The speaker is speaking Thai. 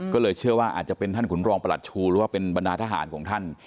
ก็เลยเชื่อว่าอาจจะเป็นท่านขุนรองประหลัดชูหรือว่าเป็นบรรดาทหารของท่าน